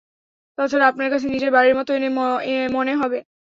তাছাড়া, আপনার কাছে নিজের বাড়ির মতো মনে হবে।